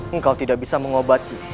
engkau tidak bisa mengobati